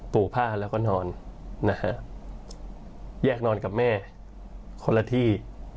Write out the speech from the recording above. ปู่ผ้าแล้วก็นอนนะฮะแยกนอนกับแม่คนละที่